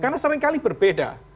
karena seringkali berbeda